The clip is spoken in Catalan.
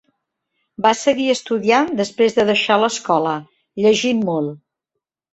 Va seguir estudiant després de deixar l'escola, llegint molt.